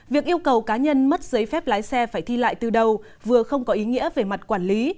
việc yêu cầu cá nhân mất giấy phép lái xe phải thi lại từ đầu vừa không có ý nghĩa về mặt quản lý